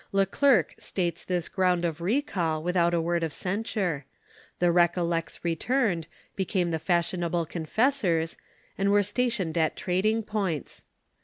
Le Clercq states this ground of recall without a word of cen sure; the Recollects returned, became the fashionable confessors, and were stationed at trading points.